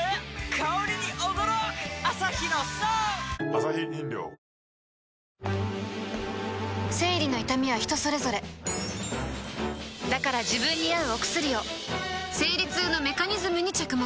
香りに驚くアサヒの「颯」生理の痛みは人それぞれだから自分に合うお薬を生理痛のメカニズムに着目